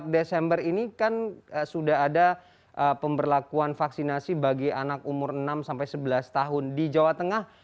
empat desember ini kan sudah ada pemberlakuan vaksinasi bagi anak umur enam sampai sebelas tahun di jawa tengah